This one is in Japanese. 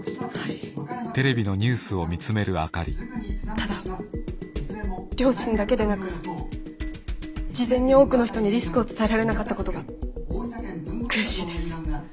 ただ両親だけでなく事前に多くの人にリスクを伝えられなかったことが悔しいです。